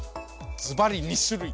ずばり２種類！